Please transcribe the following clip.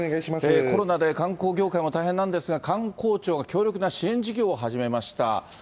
コロナで観光業界も大変なんですが、観光庁の強力な支援事業を始めました。